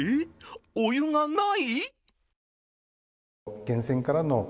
お湯がない！？